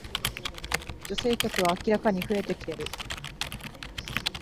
女性客は明らかに増えてきてる